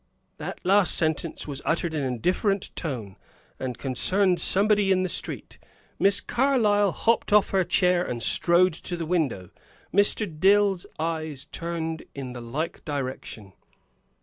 That last sentence was uttered in a different tone, and concerned somebody in the street. Miss Carlyle hopped off her chair and strode to the window. Mr. Dill's eyes turned in the like direction.